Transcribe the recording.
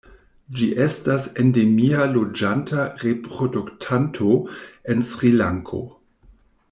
Ĝi estas endemia loĝanta reproduktanto en Srilanko.